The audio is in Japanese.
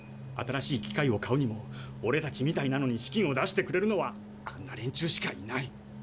新しい機械を買うにもオレたちみたいなのに資金を出してくれるのはあんな連中しかいない。